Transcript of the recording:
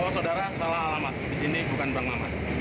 saudara salah alamat disini bukan bang mamat